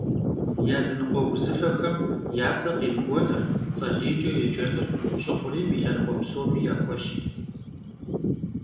Языныкъуэ узыфэхэм я цӏэ къимыӏуэныр, цӏэ лейкӏэ еджэныр щӏы хъурейм и лъэныкъуэ псоми яхуэщт.